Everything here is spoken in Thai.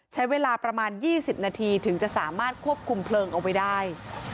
ใช้เวลาประมาณ๒๐นาทีถึงจะสามารถควบคุมเพลิงเอาไว้ได้